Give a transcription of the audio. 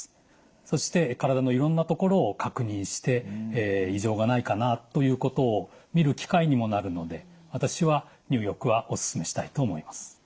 そして体のいろんなところを確認して異常がないかなということを見る機会にもなるので私は入浴はおすすめしたいと思います。